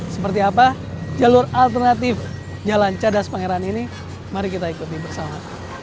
seperti apa jalur alternatif jalan cadas pangeran ini mari kita ikuti bersama